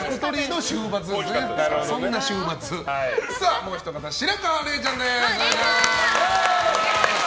もうひと方白河れいちゃんです。